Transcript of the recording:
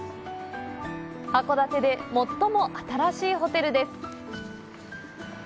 函館で最も新しいホテルです。